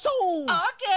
オーケー！